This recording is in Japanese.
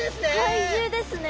怪獣ですね。